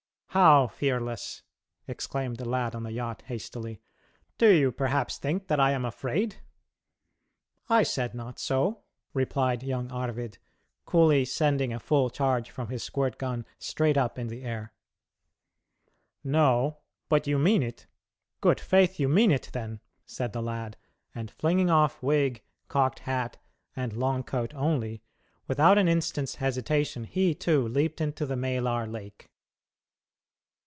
"How; fearless?" exclaimed the lad on the yacht, hastily. "Do you perhaps think that I am afraid?" "I said not so," replied young Arvid, coolly sending a full charge from his squirt gun straight up in the air. "No; but you mean it good faith, you mean it, then," said the lad, and flinging off wig, cocked hat, and long coat only, without an instant's hesitation he, too, leaped into the Maelar Lake.